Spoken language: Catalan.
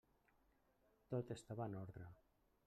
Tot estava en ordre.